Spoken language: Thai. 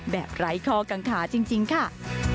แบบไร้คอกางคาจริงค่ะ